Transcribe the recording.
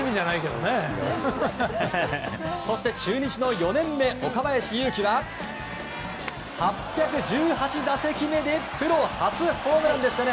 そして中日の４年目、岡林勇希は８１８打席目でプロ初ホームランでしたね。